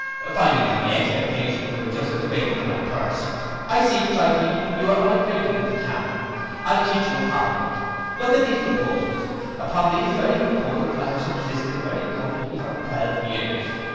Finding that my expectations were just as great as my purse, I see, cried he, you are unacquainted with the town, I'll teach you a part of it. Look at these proposals, upon these very proposals I have subsisted very comfortably for twelve years.